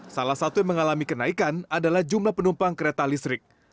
salah satu yang mengalami kenaikan adalah jumlah penumpang kereta listrik